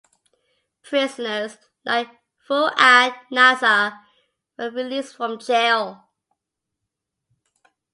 Prisoners, like Fu'ad Nassar, were released from jail.